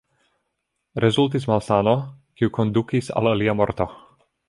Rezultis malsano, kiu kondukis al lia morto.